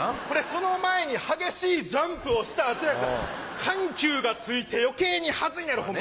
その前に激しいジャンプをした後やから緩急がついて余計にハズいねんホンマ。